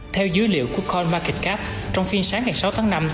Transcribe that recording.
theo dữ liệu của coinmarketcap trong phiên sáng ngày sáu tháng năm